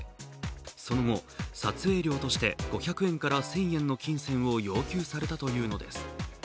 その後、撮影料として５００円から１０００円の金銭を要求されたというのです。